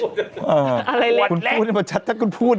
ให้มันชัดถ้าคุณพูด